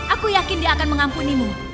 aku yakin dia akan mengampunimu